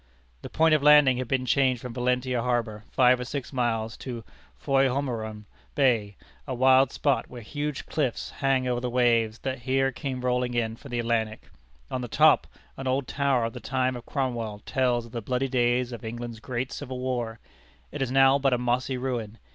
The point of landing had been changed from Valentia harbor five or six miles to Foilhommerum Bay, a wild spot where huge cliffs hang over the waves that here come rolling in from the Atlantic. On the top, an old tower of the time of Cromwell tells of the bloody days of England's great civil war. It is now but a mossy ruin.